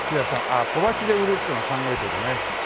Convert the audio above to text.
あっ小鉢で売るっていうのは考えてるね。